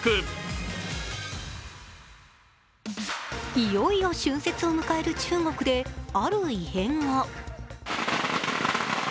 いよいよ春節を迎える中国で、ある異変が。